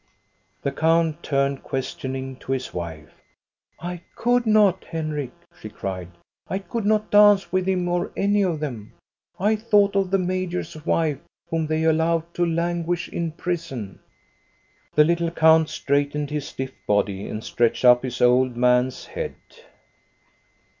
The count turned questioning to his wife. " I could not, Henrik," she cried. " I could not dance with him or any of them. I thought of the major's wife, whom they allowed to languish in prison." The little count straightened his stiff body and stretched up his old man's head.